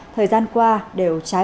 thời gian qua đều trái vẹn